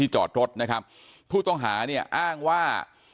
จอดรถพูดต้องหานี่อ้างว่า